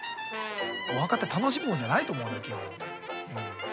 お墓って楽しむもんじゃないと思うよ基本。